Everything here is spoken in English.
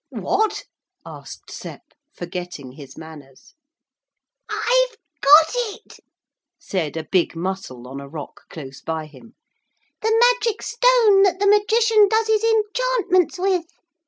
'What?' asked Sep, forgetting his manners. 'I've got it,' said a big mussel on a rock close by him, 'the magic stone that the Magician does his enchantments with.